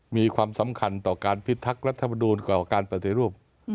มีความสำคัญต่อการพิทักษ์รัฐมนูลก่อการปฏิรูป